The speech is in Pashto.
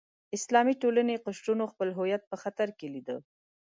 اسلامي ټولنې قشرونو خپل هویت په خطر کې لیده.